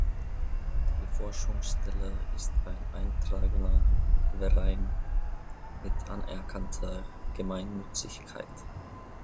Die Forschungsstelle ist ein eingetragener Verein mit anerkannter Gemeinnützigkeit.